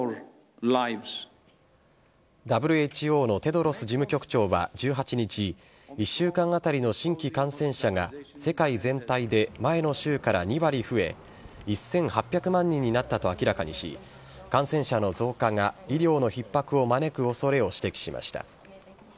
ＷＨＯのテドロス事務局長は１８日、１週間当たりの新規感染者が世界全体で前の週から２割増え、１８００万人になったと明らかにし、感染者の増加が医療のひっ迫を招くおそれを指摘しました。